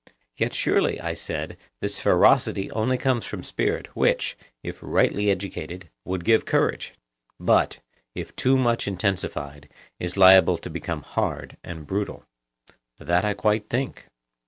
Yet surely, I said, this ferocity only comes from spirit, which, if rightly educated, would give courage, but, if too much intensified, is liable to become hard and brutal. That I quite think.